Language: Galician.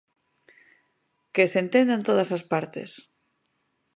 Que se entendan todas as partes.